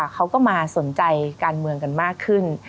เขาก็มาสนใจการเมืองกันมากขึ้น